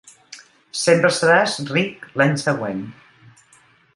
Sempre seràs ric l'any següent.